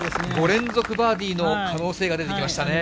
５連続バーディーの可能性が出てきましたね。